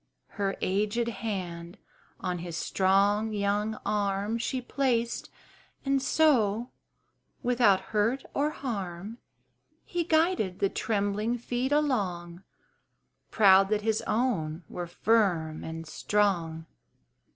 Her aged hand on his strong young arm She placed, and so, without hurt or harm, He guided the trembling feet along, Proud that his own were firm and strong.